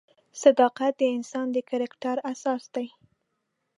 صداقت د انسان د کرکټر اساس دی.